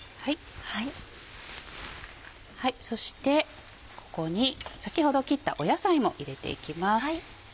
そしてここに先ほど切った野菜も入れていきます。